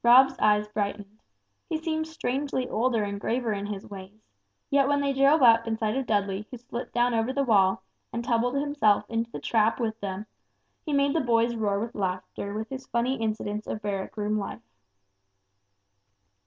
'" Rob's eyes brightened. He seemed strangely older and graver in his ways, yet when they drove up in sight of Dudley who slipped down over the wall, and tumbled himself into the trap with them, he made the boys roar with laughter with his funny incidents of barrack room life.